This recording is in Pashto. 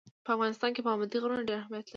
په افغانستان کې پابندی غرونه ډېر اهمیت لري.